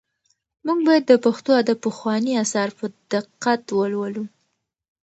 موږ باید د پښتو ادب پخواني اثار په دقت ولولو.